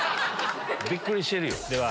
びっくりしてるよ。